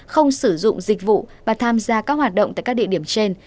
không sử dụng dịch vụ và tham gia các hoạt động tại các địa điểm trên